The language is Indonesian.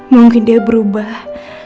mungkin dia berubah